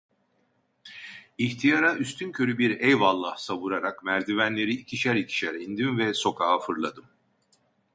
İhtiyara üstünkörü bir "eyvallah" savurarak merdivenleri ikişer ikişer indim ve sokağa fırladım.